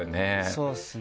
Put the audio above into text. そうですね。